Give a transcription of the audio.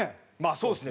そうですね。